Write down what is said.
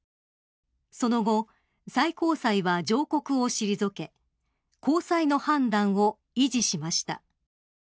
その後、最高裁は上告を退け高裁の判断を維持しました。